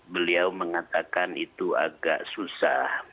beliau mengatakan itu agak susah